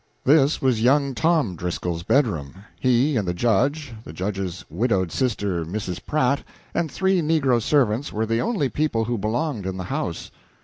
This was young Tom Driscoll's bedroom. He and the Judge, the Judge's widowed sister Mrs. Pratt and three negro servants were the only people who belonged in the house.